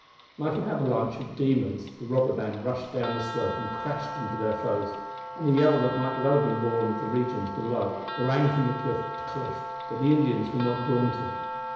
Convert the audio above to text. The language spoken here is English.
Like an avalanche of demons the robber band rushed down the slope and crashed into their foes, and a yell that might well have been born of the regions below rang from cliff to cliff, but the Indians were not daunted.